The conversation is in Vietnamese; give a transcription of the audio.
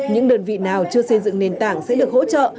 những đơn vị nào chưa xây dựng nền tảng sẽ được hỗ trợ